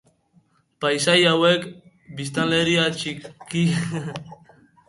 Paisai hauek biztanleria txikikoak dira.